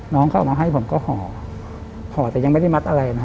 น้องเขาเอามาให้ผมก็ห่อห่อแต่ยังไม่ได้มัดอะไรนะ